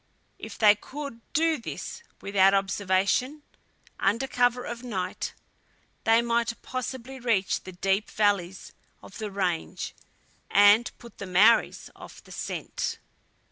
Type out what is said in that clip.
If they could do this without observation, under cover of night, they might possibly reach the deep valleys of the Range and put the Maories off the scent.